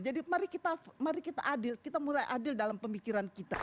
mari kita adil kita mulai adil dalam pemikiran kita